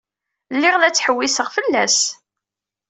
Lliɣ la ttḥewwiseɣ fell-as.